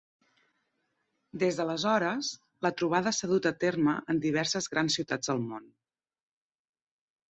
Des d'aleshores, la trobada s'ha dut a terme en diverses grans ciutats del món.